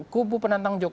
kupu penantang jokowi